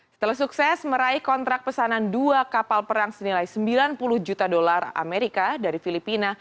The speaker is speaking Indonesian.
setelah sukses meraih kontrak pesanan dua kapal perang senilai sembilan puluh juta dolar amerika dari filipina